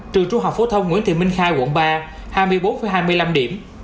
trường trung học phổ thông nguyễn thị minh khai quận ba hai mươi bốn hai mươi năm điểm